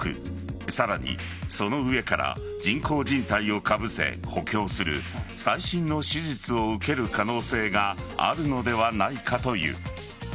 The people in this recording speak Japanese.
さらに、その上から人工靭帯をかぶせ、補強する最新の手術を受ける可能性があるのではないかという。